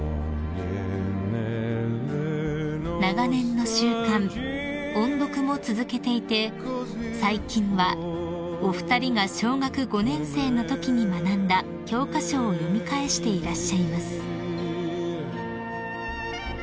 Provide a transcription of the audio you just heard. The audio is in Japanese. ［長年の習慣音読も続けていて最近はお二人が小学５年生のときに学んだ教科書を読み返していらっしゃいます］